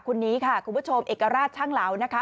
คนนี้ค่ะคุณผู้ชมเอกราชช่างเหลานะคะ